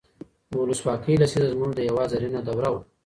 د ولسواکۍ لسیزه زموږ د هېواد زرینه دوره وه.